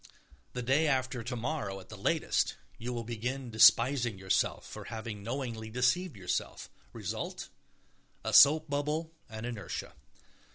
The day after tomorrow, at the latest, you will begin despising yourself for having knowingly deceived yourself. Result: a soap bubble and inertia.